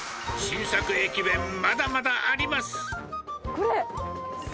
新作駅弁まだまだあります。